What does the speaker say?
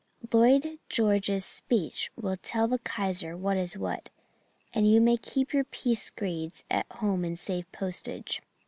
"Lloyd George's speech will tell the Kaiser what is what, and you may keep your peace screeds at home and save postage."